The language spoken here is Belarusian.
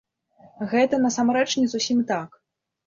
Гэта насамрэч не зусім так.